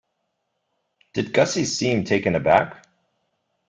Did Gussie seem taken aback?